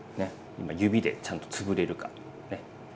今指でちゃんとつぶれるかね。